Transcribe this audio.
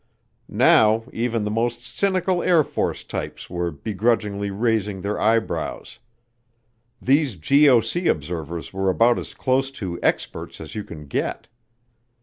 Now, even the most cynical Air Force types were be grudgingly raising their eyebrows. These GOC observers were about as close to "experts" as you can get.